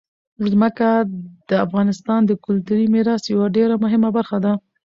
ځمکه د افغانستان د کلتوري میراث یوه ډېره مهمه برخه ده.